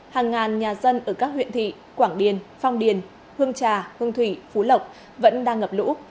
hàng ngàn nhà dân ở các huyện thị quảng điền phong điền hương trà hương thủy phú lộc vẫn đang ngập lũ